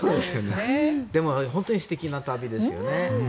でも本当に素敵な旅ですよね。